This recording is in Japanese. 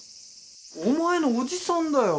お前の叔父さんだよ。